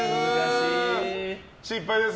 失敗です。